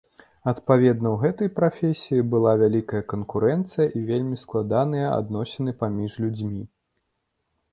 Адпаведна, у гэтай прафесіі была вялікая канкурэнцыя і вельмі складаныя адносіны паміж людзьмі.